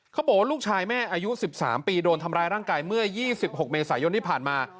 เขาบอกว่าลูกชายแม่อายุ๑๓ปีโดนทำร้ายร่างกายเมื่อ๒๖เมษายนที่ผ่านมา